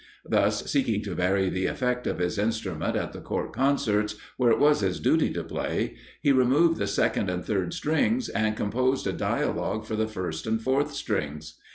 Thus, seeking to vary the effect of his instrument at the Court concerts, where it was his duty to play, he removed the second and third strings, and composed a dialogue for the first and fourth strings.